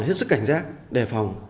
hết sức cảnh giác đề phòng